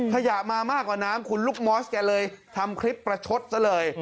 ขยะมามากกว่าน้ำคุณลูกมอสแกเลยทำคลิปประชดซะเลย